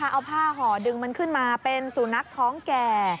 เอาผ้าห่อดึงมันขึ้นมาเป็นสุนัขท้องแก่